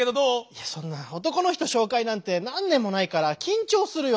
いやそんな男の人紹介なんて何年もないから緊張するよ。